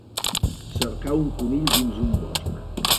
Cercar un conill dins un bosc.